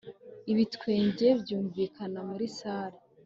ibitwenge byumvikana muri salle